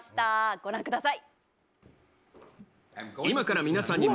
ご覧ください。